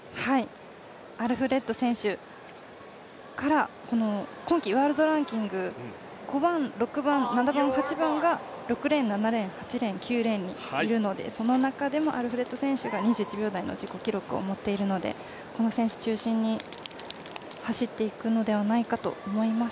アルフレッド選手から今季ワールドランキング５番、６番、７番、８番が６レーン、７レーン、８レーン、９レーンにいるのでその中でもアルフレッド選手が２１秒台の自己記録を持っているのでこの選手中心に走っていくのではないかと思います。